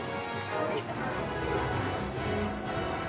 よいしょ！